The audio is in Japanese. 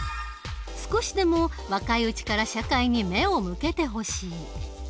少しでも若いうちから社会に目を向けてほしい。